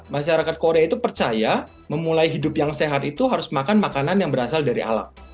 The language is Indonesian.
masyarakat korea itu percaya memulai hidup yang sehat itu harus makan makanan yang berasal dari alam